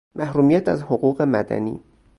محرومیت از حقوق مدنی